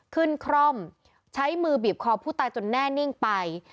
คร่อมใช้มือบีบคอผู้ตายจนแน่นิ่งไป